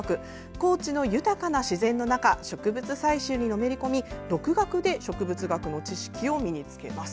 高知の豊かな自然の中植物採集にのめり込み独学で植物学の知識を身に付けます。